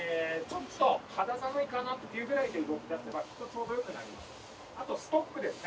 ちょっと肌寒いかなっていうぐらいで動きだせばきっとちょうどよくなります。